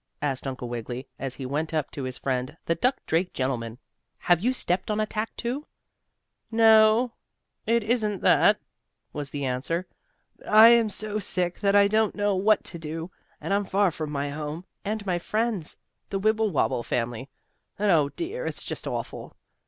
asked Uncle Wiggily, as he went up to his friend, the duck drake gentleman. "Have you stepped on a tack, too?" "No, it isn't that," was the answer. "But I am so sick that I don't know what to do, and I'm far from my home, and from my friends, the Wibblewobble family, and, oh, dear! it's just awful."